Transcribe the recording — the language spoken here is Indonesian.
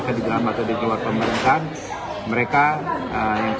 tapi di dalam atau di luar pemerintahan